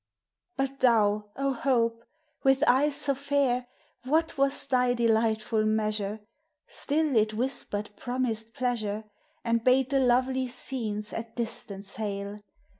But thou, O Hope, with eyes so fair, — What was thy delightful measure ? Still it whispered promised pleasure, And bade the lovely scenes at distance hail